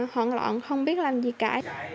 hoảng loạn không biết làm gì cả